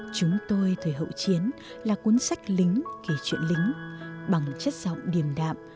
chúng tôi thời hậu chiến là cuốn sách lính kể chuyện lính bằng chất giọng điểm đạm